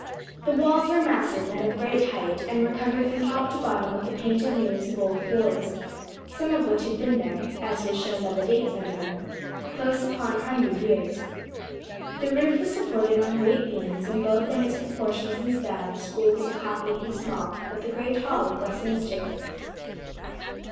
The walls were massive, and of great height, and were covered from top to bottom with the painted names of old boys, some of which had been there, as was shown by the dates under them, close upon a hundred years. The roof was supported on great beams, and both in its proportions and style the School was a copy in small of the great hall of Westminster.